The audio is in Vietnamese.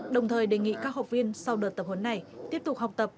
đồng thời đề nghị các học viên sau đợt tập huấn này tiếp tục học tập